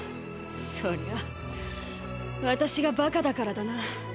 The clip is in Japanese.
そりゃ私が馬鹿だからだな。